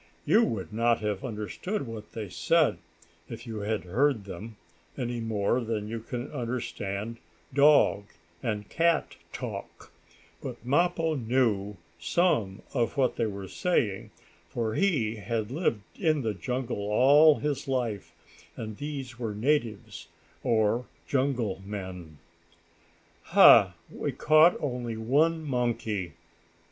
You would not have understood what they said, if you had heard them, any more than you can understand dog and cat talk, but Mappo knew some of what they were saying, for he had lived in the jungle all his life, and these were natives, or jungle men. "Ha! We caught only one monkey!"